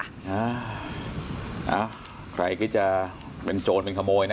อ้าวใครก็จะเป็นโจรเป็นขโมยนะ